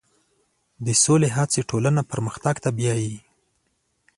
د سولې هڅې ټولنه پرمختګ ته بیایي.